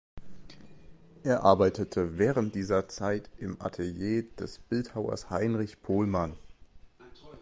Er arbeitete während dieser Zeit im Atelier des Bildhauers Heinrich Pohlmann.